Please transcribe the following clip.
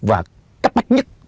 và cấp bắt nhất